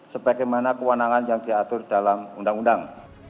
sebagaimana kewenangan yang diatur dalam undang undang